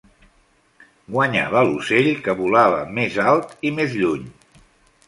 Guanyava l'ocell que volava més alt i més lluny.